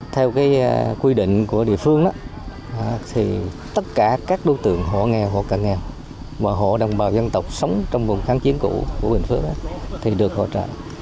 theo quy định của địa phương tất cả các đối tượng hộ nghèo hộ cả nghèo và hộ đồng bào dân tộc sống trong vùng kháng chiến cũ của bình phước được hỗ trợ